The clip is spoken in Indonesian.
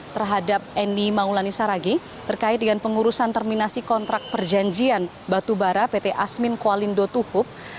terhadap eni maulani saragi terkait dengan pengurusan terminasi kontrak perjanjian batubara pt asmin kualindo tukub